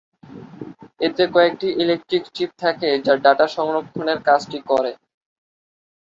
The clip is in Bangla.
এতে কয়েকটি ইলেকট্রিক চিপ থাকে যা ডাটা সংরক্ষনের কাজটি করে।